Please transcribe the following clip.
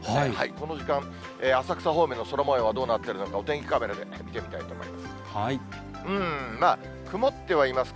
この時間、浅草方面の空もようはどうなっているのか、お天気カメラで見てみたいと思います。